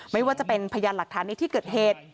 ไม่ว่าจะเป็นพยานหลักฐานในที่เกิดเหตุ